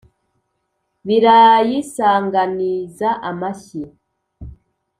Birayisanganiza amashyi.